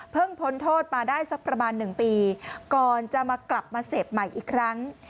พ้นโทษมาได้สักประมาณ๑ปีก่อนจะมากลับมาเสพใหม่อีกครั้ง